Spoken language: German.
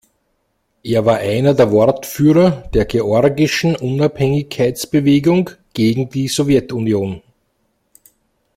Er war einer der Wortführer der georgischen Unabhängigkeitsbewegung gegen die Sowjetunion.